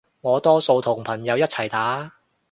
我多數同朋友一齊打